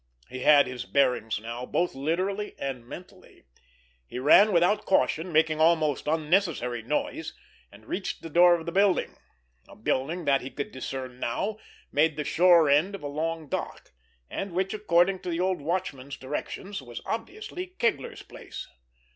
He had his bearings now, both literally and mentally. He ran without caution, making almost unnecessary noise, and reached the door of the building; a building that, he could discern now, made the shore end of a long dock, and which, according to the old watchman's directions, was obviously Kegler's place.